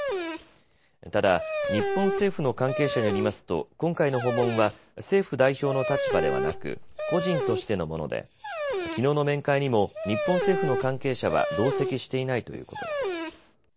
ただ日本政府の関係者によりますと今回の訪問は政府代表の立場ではなく個人としてのものできのうの面会にも日本政府の関係者は同席していないということです。